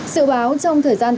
sự báo trong thời gian qua